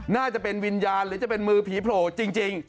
น่าจะเป็นวิญญาณหรือจะเป็นมือผีโผล่จริง